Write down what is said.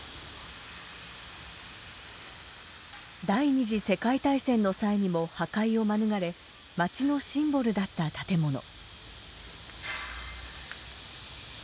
第２次世界大戦の際にも破壊を免れ街のシンボルだった建物。